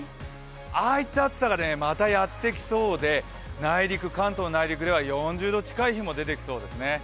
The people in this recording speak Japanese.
ああいった暑さがまたやってきそうで関東内陸では４０度近い日も出てきそうですね。